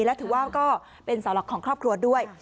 และถือว่าก็เป็นเสาหลักของครอบครัวด้วย